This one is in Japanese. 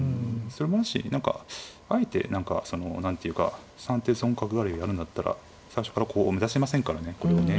それもあるし何かあえて何ていうか３手損角換わりをやるんだったら最初からこう目指しませんからねこれをね。